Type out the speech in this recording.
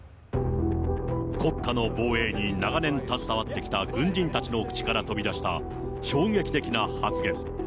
国家の防衛に長年携わってきた軍人たちの口から飛び出した、衝撃的な発言。